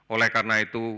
oleh karena itu